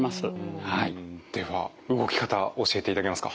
では動き方教えていただけますか？